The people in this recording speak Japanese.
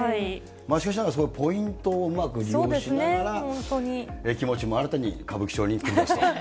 しかしながらポイントをうまく利用しながら、気持ちも新たに歌舞伎町に繰り出すと。